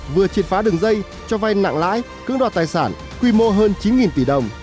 vừa triệt phá đường dây cho vay nặng lãi cưỡng đoạt tài sản quy mô hơn chín tỷ đồng